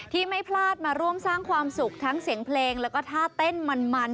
ที่ไม่พลาดมาร่วมสร้างความสุขทั้งเสียงเพลงแล้วก็ท่าเต้นมัน